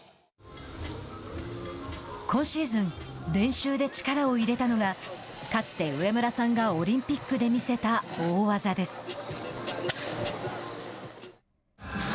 今シーズン練習で力を入れたのがかつて上村さんがオリンピックで見せた大技です。